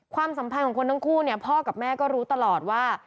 ความสัมพันธ์ของคนทั้งคู่เนี่ยพ่อกับแม่ก็รู้ตลอดว่า